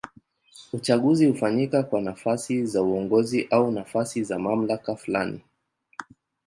Uchaguzi hufanyika kwa nafasi za uongozi au nafasi za mamlaka fulani.